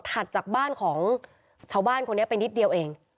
ผ่านจากบ้านของชาวบ้านคนนี้เป็นอีกเดียวเอง